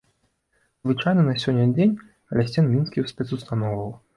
Звычайны на сёння дзень ля сцен мінскіх спецустановаў.